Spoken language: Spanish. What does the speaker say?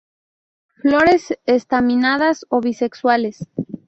Flores estaminadas o bisexuales.